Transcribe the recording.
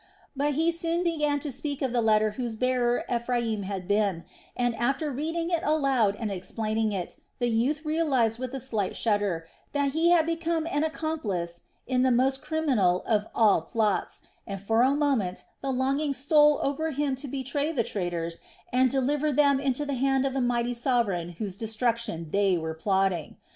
But he soon began to speak of the letter whose bearer Ephraim had been and, after reading it aloud and explaining it, the youth realized with a slight shudder that he had become an accomplice in the most criminal of all plots, and for a moment the longing stole over him to betray the traitors and deliver them into the hand of the mighty sovereign whose destruction they were plotting.